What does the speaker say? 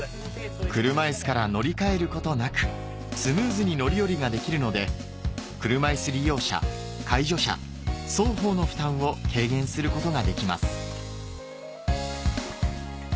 車いすから乗り換えることなくスムーズに乗り降りができるので車いす利用者介助者双方の負担を軽減することができます